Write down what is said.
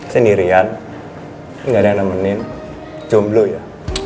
sendirian nggak ada yang nemenin jomblo ya